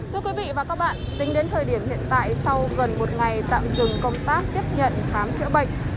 thưa quý vị và các bạn tính đến thời điểm hiện tại sau gần một ngày tạm dừng công tác tiếp nhận khám chữa bệnh